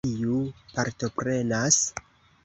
Kiu partoprenas?